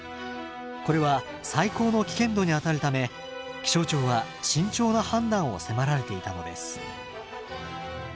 これは最高の危険度にあたるため気象庁は慎重な判断を迫られていたのです。